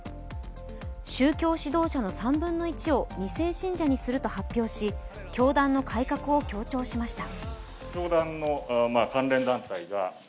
宗教指導者の３分の１を２世信者にすると発表し、教団の改革を強調しました。